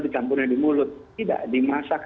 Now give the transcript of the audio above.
dicampurnya di mulut tidak dimasak